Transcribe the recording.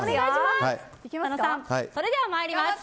それでは参ります。